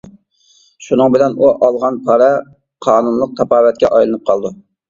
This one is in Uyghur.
شۇنىڭ بىلەن ئۇ ئالغان پارە قانۇنلۇق تاپاۋەتكە ئايلىنىپ قالىدۇ.